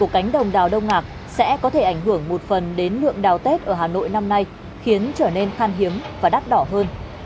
cảm ơn các bạn đã theo dõi